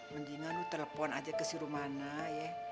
mendingan lu telepon aja ke si rumana ya